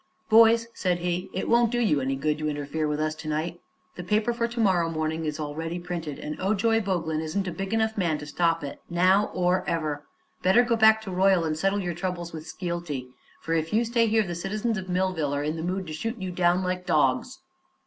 "Boys," said he, "it won't do you any good to interfere with us to night. The paper for to morrow morning is already printed, and Ojoy Boglin isn't a big enough man to stop it, now or ever. Better go back to Royal and settle your troubles with Skeelty, for if you stay here the citizens of Millville are in the mood to shoot you down like dogs."